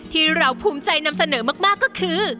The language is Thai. ที่เราภูมิใจนำเสนอมากก็คือ